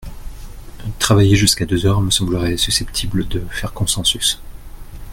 Travailler jusqu’à deux heures me semblerait susceptible de faire consensus.